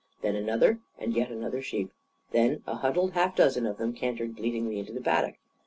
Then another and yet another sheep, then a huddled half dozen of them cantered bleatingly into the paddock.